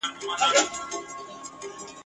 خدای خبر چي بیا پیدا کړې داسی نر بچی ښاغلی !.